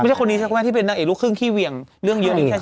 ไม่ใช่คนนี้ใช่ไหมที่เป็นนางเอกลูกครึ่งขี้เวียงเรื่องเยอะอีก